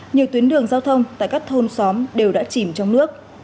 nhiều tuyến đường giao thông tại các thôn xóm đều đã chìm trong nước